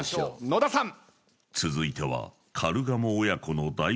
野田さん。